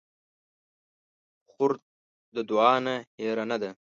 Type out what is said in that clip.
خور د دعا نه هېره نه ده.